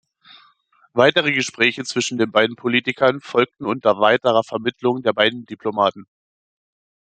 Weitere Gespräche zwischen den beiden Politikern folgten unter weiterer Vermittlung der beiden Diplomaten.